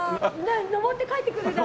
上って帰ってくるだけ。